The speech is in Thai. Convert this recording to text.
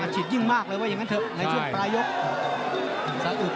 อาจฉีดยิ่งมากเลยไว้อย่างงั้นเถอะในช่วงปลายยุค